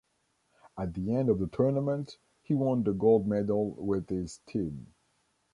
At the end of the Tournament he won the gold medal with his team.